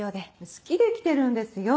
好きで来てるんですよ。